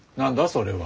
それは。